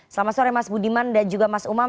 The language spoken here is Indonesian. selamat sore mas budiman dan juga mas umam